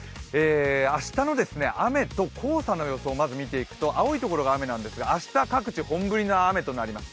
明日の雨と黄砂の予想をまず見ていくと、青い所が雨なんですが、明日、各地本降りの雨となります。